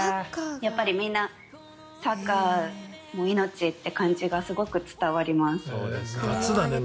みんな、サッカー命って感じがすごく伝わります。